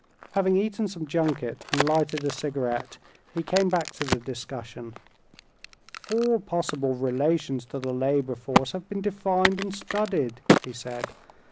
Having eaten some junket and lighted a cigarette, he came back to the discussion. "All possible relations to the labor force have been defined and studied," he said.